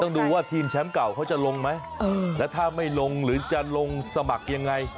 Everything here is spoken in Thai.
ดูว่าทีมแชมป์เก่าเขาจะลงไหมแล้วถ้าไม่ลงหรือจะลงสมัครยังไง